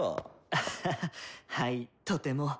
アハハッはいとても。